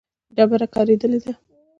ډبره کارېدلې ده.